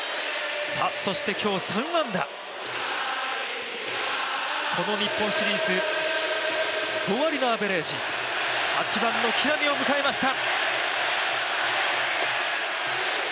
そして今日、３安打、この日本シリーズ、５割のアベレージ、８番の木浪を迎えました。